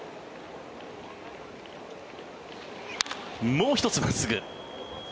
もう１つ、真っすぐ。